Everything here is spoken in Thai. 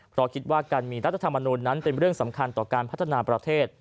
เพราะคิดว่าการมีรัฐธรรมนูลนั้นเป็นเรื่องสำคัญต่อการพัฒนาประเทศ